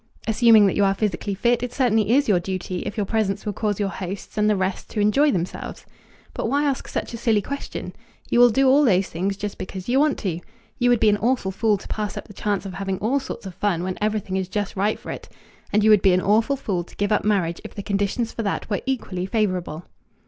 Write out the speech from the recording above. Assuming that you are physically fit, it certainly is your duty if your presence will cause your hosts and the rest to enjoy themselves. But why ask such a silly question? You will do all those things just because you want to. You would be an awful fool to pass up the chance of having all sorts of fun when everything is just right for it. And you would be an awful fool to give up marriage if the conditions for that were equally favorable.